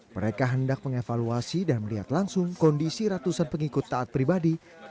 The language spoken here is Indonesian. mereka hendak mengevaluasi dan melihat langsung kondisi ratusan pengikut taat pribadi